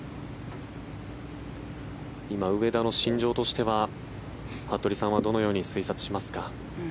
今、上田の心情としては服部さんはどのように推察しますか？